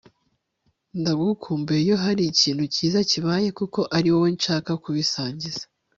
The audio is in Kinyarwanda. ndagukumbuye iyo hari ikintu cyiza kibaye, kuko ari wowe nshaka kubisangiza